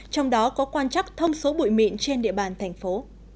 trong đó có quan trắc thông số bụi mịn trên địa bàn thành phố